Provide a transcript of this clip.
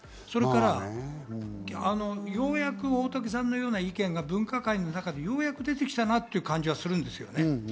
それから、ようやく大竹さんのような意見が分科会の中で出てきたなっていう感じがするんですよ。